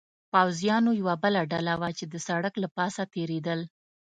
پوځیانو یوه بله ډله وه، چې د سړک له پاسه تېرېدل.